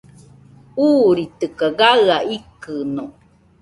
Uuritɨkaɨ gaɨa ikɨno